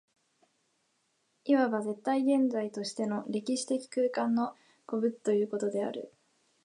いわば絶対現在としての歴史的空間の個物ということである。